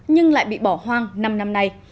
nhưng lại bị bỏ hoang năm năm nay